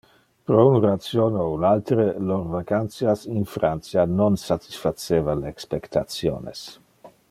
Pro un ration o un altere, lor vacantias in Francia non satisfaceva le expectationes.